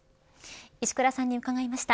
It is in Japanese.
石倉さんに伺いました。